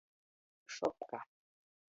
Šopka.